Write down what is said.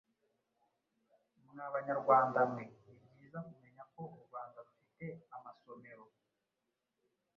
Mwa Banyarwanda mwe, ni byiza kumenya ko u Rwanda rufite amasomero